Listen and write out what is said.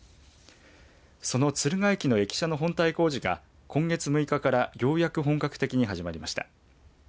その敦賀駅の駅舎の本体工事が今月６日からようやく本格的に始まりました。